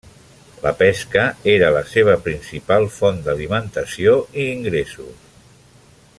La pesca era la seva principal font d'alimentació i ingressos.